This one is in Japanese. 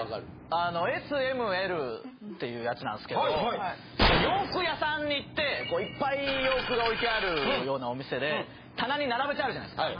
あのＳ・Ｍ・Ｌっていうやつなんですけど。に行ってこういっぱい洋服が置いてあるようなお店で棚に並べてあるじゃないですか。